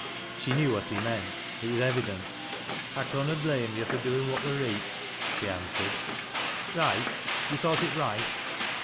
She knew what he meant, it was evident. " I conna blame yo' fur doin' what were reet," she answered. " Kight, — you thought it right